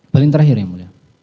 paling terakhir ya mulia